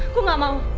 aku nggak mau